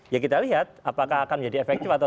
ya kita lihat apakah akan menjadi efektif atau